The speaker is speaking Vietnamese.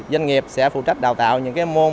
doanh nghiệp sẽ phụ trách đào tạo những môn